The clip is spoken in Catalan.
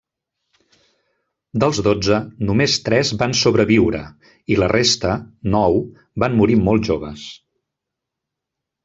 Dels dotze només tres van sobreviure, i la resta, nou, van morir molt joves.